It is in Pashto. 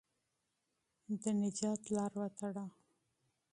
د نجات لاره وتړه.